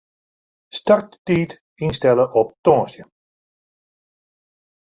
Starttiid ynstelle op tongersdei.